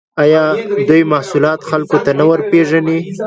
آیا دوی محصولات خلکو ته نه ورپېژني؟